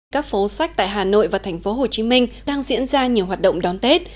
các phố sách tại hà nội và thành phố hồ chí minh đang diễn ra nhiều hoạt động đón tết